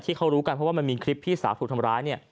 ที่เขารู้กันเพราะว่ามันมีคลิปพี่สาวถูกทำร้ายเนี่ย